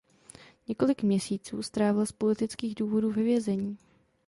Několik měsíců strávil z politických důvodů ve vězení.